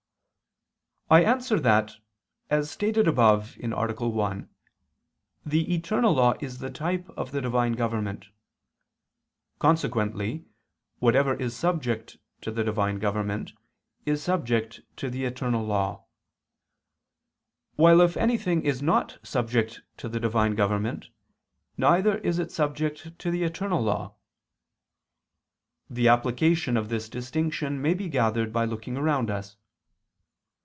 I answer that, As stated above (A. 1), the eternal law is the type of the Divine government. Consequently whatever is subject to the Divine government, is subject to the eternal law: while if anything is not subject to the Divine government, neither is it subject to the eternal law. The application of this distinction may be gathered by looking around us.